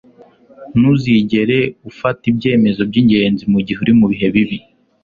ntuzigere ufata ibyemezo byingenzi mugihe uri mubihe bibi